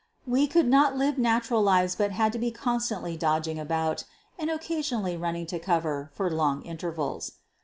We could not live natural lives but had to be constantly dodg ing about, and occasionally running to cover for long intervals.